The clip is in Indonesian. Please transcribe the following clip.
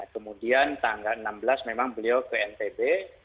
kemudian tanggal enam belas memang beliau ke ntb